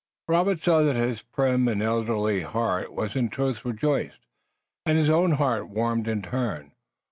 Robert saw that his prim and elderly heart was in truth rejoiced, and his own heart warmed in turn.